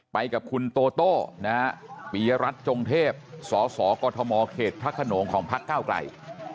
ไปกับคุณโตโตปริยรัชย์จงเทพสสกฎธมเขตพระขนงของพักเก้าไกล